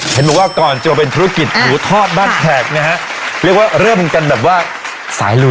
เห็นบอกว่าก่อนจะมาเป็นธุรกิจหมูทอดบ้านแขกนะฮะเรียกว่าเริ่มกันแบบว่าสายลู